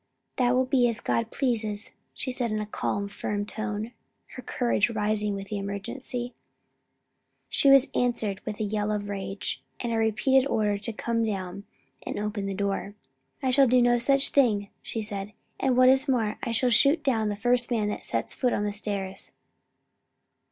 "That will be as God pleases," she said in a calm, firm tone, her courage rising with the emergency. She was answered with a yell of rage, and a repeated order to come down and open the door. "I shall do no such thing," she said; "and what is more, I shall shoot down the first man that sets foot on the stairs."